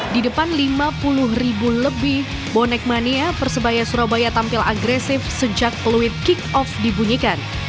di depan lima puluh ribu lebih bonek mania persebaya surabaya tampil agresif sejak peluit kick off dibunyikan